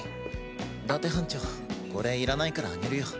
伊達班長これいらないからあげるよ。